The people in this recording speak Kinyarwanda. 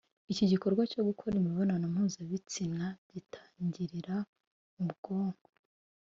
Iki gikorwa cyo gukora imibonano mpuzabitsina gitangirira mu bwonko